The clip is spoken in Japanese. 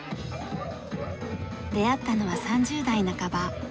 出会ったのは３０代半ば。